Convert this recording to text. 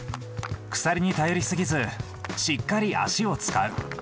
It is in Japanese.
鎖に頼りすぎずしっかり足を使う。